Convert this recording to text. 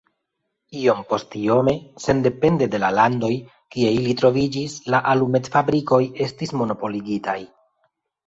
Iompostiome, sendepende de la landoj, kie ili troviĝis, la alumetfabrikoj estis monopoligitaj.